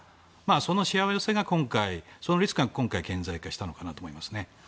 そのしわ寄せが今回のリスクが顕在化したのかなと思います。